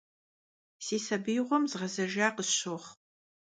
Си сабиигъуэм згъэзэжа къысщохъу.